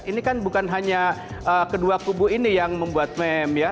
ini kan bukan hanya kedua kubu ini yang membuat meme ya